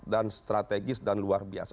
dan strategis dan luar biasa